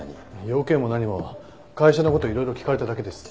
用件も何も会社の事をいろいろ聞かれただけです。